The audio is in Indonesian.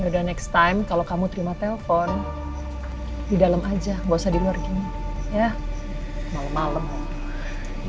ya udah next time kalau kamu terima telepon di dalam aja gak usah di luar gini ya malem malem